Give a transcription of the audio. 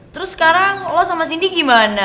terus sekarang lo sama cindy gimana